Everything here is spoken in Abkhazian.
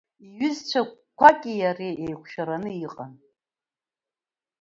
Иҩызцәақәаки иареи еиқәшәараны иҟан.